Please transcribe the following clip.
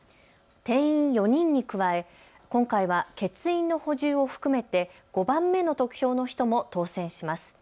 定員４人に加え今回は欠員の補充を含めて５番目の投票の人も当選します。